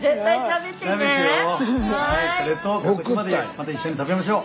すごい。それと鹿児島でまた一緒に食べましょう。